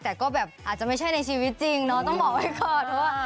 แต่ก็แบบอาจจะไม่ใช่ในชีวิตจริงเนาะต้องบอกไว้ก่อนว่า